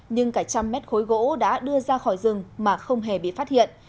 nhưng cả trăm mét khối gỗ đã đưa ra khỏi rừng mà không hề bị phát hiện